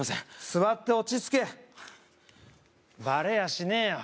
座って落ち着けバレやしねえよ